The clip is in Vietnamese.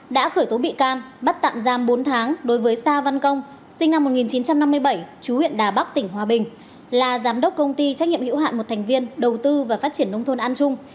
đã khởi tố bị can bắt tạm giam bốn tháng đối với sa văn công sinh năm một nghìn chín trăm năm mươi bảy chú huyện đà bắc tỉnh hòa bình là giám đốc công ty trách nhiệm hữu hạn một thành viên đầu tư và phát triển nông thôn an trung